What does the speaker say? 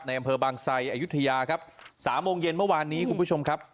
ในอำเภอบางไซค์อยุธยาครับสามโมงเย็นเมื่อวานนี้ครับ